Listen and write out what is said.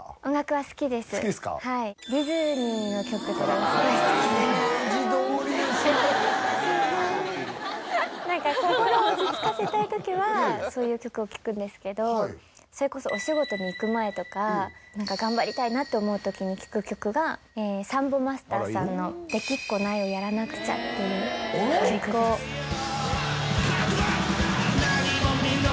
はい好きですかディズニーの曲とかすごい好きでいやいや何か心を落ち着かせたい時はそういう曲を聴くんですけどそれこそお仕事に行く前とか何か頑張りたいなって思う時に聴く曲がサンボマスターさんの「できっこないをやらなくちゃ」っていうあれ？という曲です